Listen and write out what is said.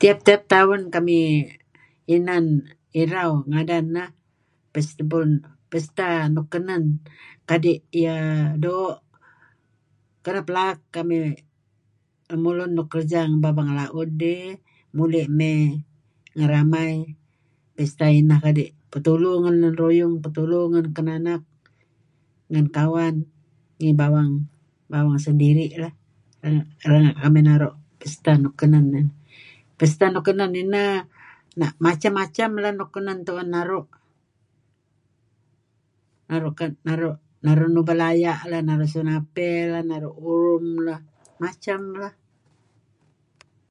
Tiap-tiap tahun kami inan irau, ngadan ineh Pesta Nukenen. Kadi' iyeh doo', kenep laak lemulun nuk kerja ngi bawang la'ud eh muli' mey ngeramai pesta ineh kadi' petulu ngen lun ruyung, petulu ngen kinanak, ngen kawan ngi bawang sendiri' lah renga' kamih naru' Pesta Nukenen eh. Pesta Nukenen ineh macam-macam nuk kenen tu'en naru', naru' nuba' laya' lah, naru' senapey lah, naru' urum lah, macam lah.